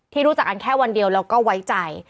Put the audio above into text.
รู้จักกันแค่วันเดียวแล้วก็ไว้ใจ